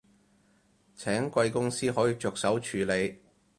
請貴公司可以着手處理